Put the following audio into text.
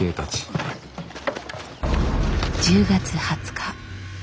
１０月２０日。